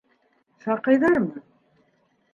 Шаҡыйҙармы?